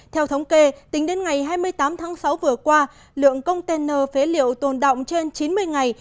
theo thống kê tính đến ngày hai mươi tám tháng sáu vừa qua lượng container phế liệu tồn động trên chín mươi ngày